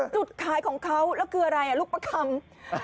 จุดขายของเขาแล้วคืออะไรลูกประคำ